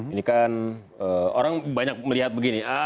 ini kan orang banyak melihat begini